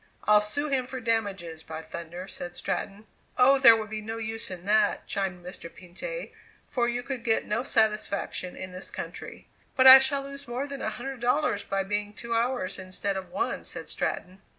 "I'll sue him for damage, by thunder," said Stratton. "Oh, there would be no use in that," chimed in Mr. Pinte, "for you could get no satisfaction in this country." "But I shall lose more than a hundred dollars by being two hours instead of one," said Stratton.